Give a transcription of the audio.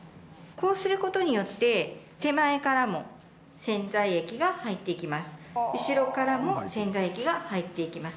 こうすることによって手前からも洗剤液が入っていきます。